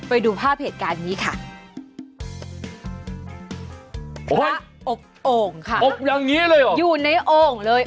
ไปดูภาพเหตุการณ์นี้ค่ะพระอบโอ่งค่ะอบอย่างนี้เลยเหรออยู่ในโอ่งเลย